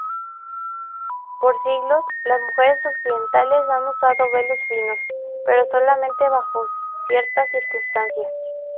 Por siglos, las mujeres occidentales han usado velos finos, pero solamente bajo ciertas circunstancias.